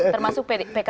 termasuk pkb juga merasa